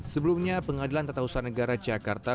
sebelumnya pengadilan tata usaha negara jakarta